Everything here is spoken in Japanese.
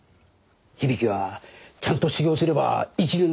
響はちゃんと修業すれば一流になる。